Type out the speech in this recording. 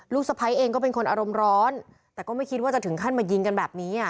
สะพ้ายเองก็เป็นคนอารมณ์ร้อนแต่ก็ไม่คิดว่าจะถึงขั้นมายิงกันแบบนี้อ่ะ